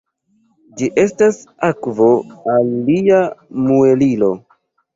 Ĝi estas akvo al lia muelilo.